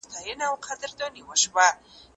هغه وويل چي سندري ښکلې ده؟!